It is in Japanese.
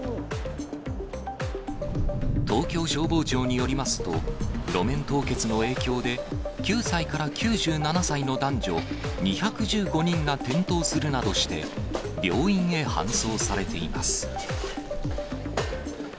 東京消防庁によりますと、路面凍結の影響で９歳から９７歳の男女２１５人が転倒するなどして病院へ搬送されています。